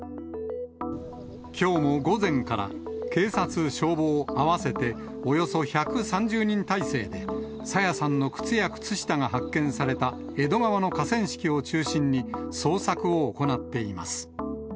きょうも午前から、警察、消防合わせておよそ１３０人態勢で、朝芽さんの靴や靴下が発見された江戸川の河川敷を中心に、捜索を行っています。